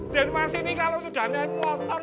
denmark ini kalau sudah naik motor